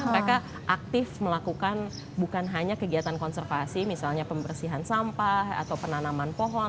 mereka aktif melakukan bukan hanya kegiatan konservasi misalnya pembersihan sampah atau penanaman pohon